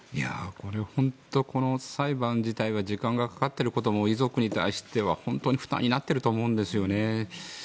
これは本当にこの裁判自体は時間がかかっていることも遺族に対しては本当に負担になっていると思うんですよね。